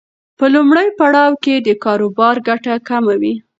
په لومړي پړاو کې د کاروبار ګټه کمه وي.